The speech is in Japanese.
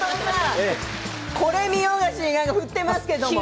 これ見よがしに振っていますけれども。